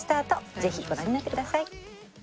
ぜひご覧になってください。